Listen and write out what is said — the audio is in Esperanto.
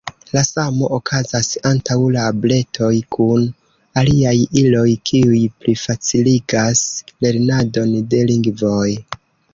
La samo okazas antaŭ la bretoj kun aliaj iloj, kiuj plifaciligas lernadon de lingvoj.